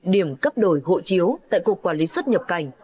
điểm cấp đổi hộ chiếu tại cục quản lý xuất nhập cảnh